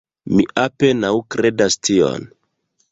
Mi apenaŭ kredas tion.